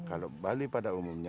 kalau bali pada umumnya